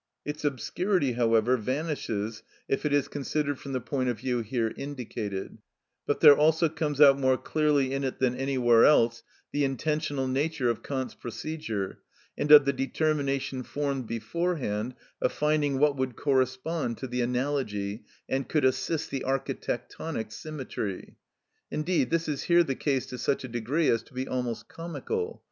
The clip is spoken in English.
Its obscurity, however, vanishes if it is considered from the point of view here indicated, but there also comes out more clearly in it than anywhere else the intentional nature of Kant's procedure, and of the determination formed beforehand of finding what would correspond to the analogy, and could assist the architectonic symmetry; indeed this is here the case to such a degree as to be almost comical.